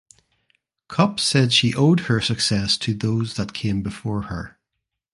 Cupp said she owed her success to those that came before her.